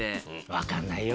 分かんないよ。